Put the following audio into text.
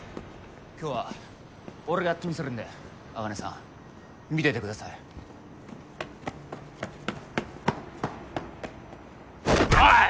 今日は俺がやってみせるんで茜さん見ててくださいおい！